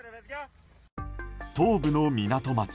東部の港町